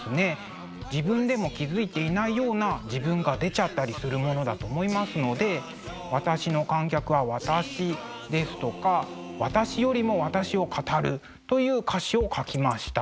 自分でも気付いていないような自分が出ちゃったりするものだと思いますので「私の観客は私です」とか「私よりも私を語る」という歌詞を書きました。